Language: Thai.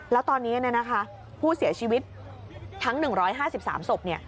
แล้วตอนนี้ผู้เสียชีวิตทั้ง๑๕๓ศพ